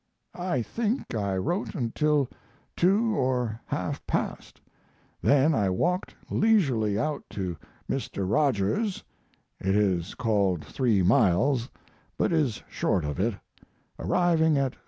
I think I wrote until 2 or half past. Then I walked leisurely out to Mr. Rogers's (it is called 3 miles, but is short of it), arriving at 3.